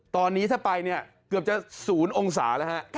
ตอนนี้ถ้าไปเนี่ยเกือบจะ๐องศาแล้วฮะ